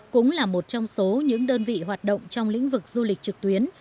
cũng là một trong số những đơn vị hoạt động trong lĩnh vực du lịch trực tuyến